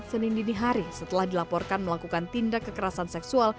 senin dinihari setelah dilaporkan melakukan tindak kekerasan seksual